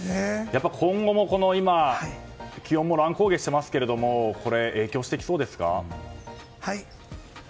今後も今、気温も乱高下していますがこれも影響してきそうですか？